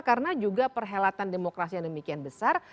karena juga perhelatan demokrasi yang demikian besar